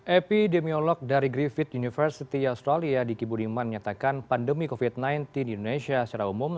epidemiolog dari griffith university australia diki budiman menyatakan pandemi covid sembilan belas di indonesia secara umum